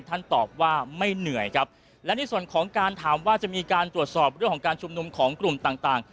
ตอบว่าไม่เหนื่อยครับและในส่วนของการถามว่าจะมีการตรวจสอบเรื่องของการชุมนุมของกลุ่มต่างต่าง